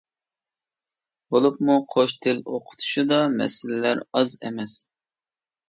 بولۇپمۇ «قوش تىل» ئوقۇتۇشىدا مەسىلىلەر ئاز ئەمەس.